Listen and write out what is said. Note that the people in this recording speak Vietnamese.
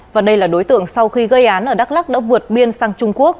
và đây là đối tượng sau khi gây án ở đắk lắc đã vượt biên sang trung quốc